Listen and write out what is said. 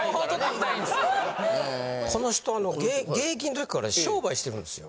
この人現役の時から商売してるんですよ。